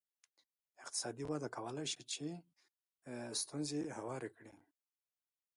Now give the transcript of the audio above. اقتصادي وده کولای شي چې ستونزې هوارې کړي.